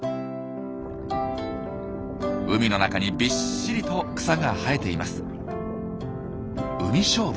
海の中にびっしりと草が生えています。